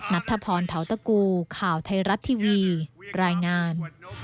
นัทธพรเทาตะกูข่าวไทยรัฐทีวีรายงาน